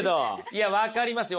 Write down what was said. いや分かりますよ。